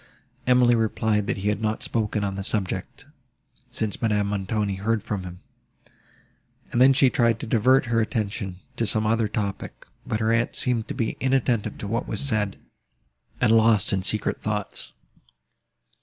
Emily replied that he had not spoken on the subject since Madame Montoni heard him; and then she tried to divert her attention to some other topic; but her aunt seemed to be inattentive to what she said, and lost in secret thoughts.